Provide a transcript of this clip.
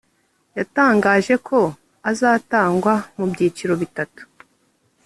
yatangaje ko azatangwa mu byiciro bitatu